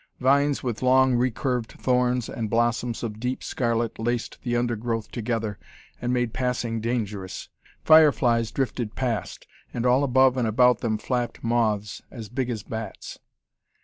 Vines with long, recurved thorns and blossoms of deep scarlet, laced the undergrowth together and made passing dangerous. Fire flies drifted past, and all above and about them flapped moths as big as bats.